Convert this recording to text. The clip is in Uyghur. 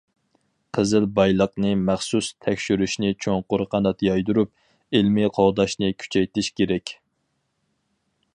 قىزىل بايلىقنى مەخسۇس تەكشۈرۈشنى چوڭقۇر قانات يايدۇرۇپ، ئىلمىي قوغداشنى كۈچەيتىش كېرەك.